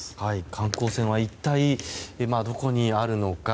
観光船は今、一体どこにあるのか。